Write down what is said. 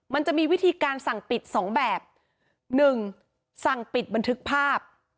มันจะมีวิธีการสั่งปิดสองแบบหนึ่งสั่งปิดบันทึกภาพ